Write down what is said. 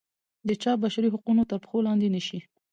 د چا بشري حقوق تر پښو لاندې نه شي.